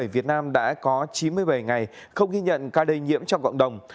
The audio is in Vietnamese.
việt nam đã có chín mươi bảy ngày không ghi nhận ca lây nhiễm trong cộng đồng